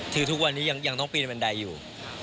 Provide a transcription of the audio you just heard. คือทุกวันนี้ยังต้องปีนบันไดอยู่